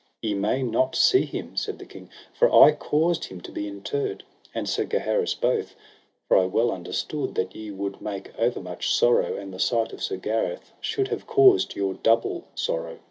Ye may not see him, said the king, for I caused him to be interred, and Sir Gaheris both; for I well understood that ye would make over much sorrow, and the sight of Sir Gareth should have caused your double sorrow.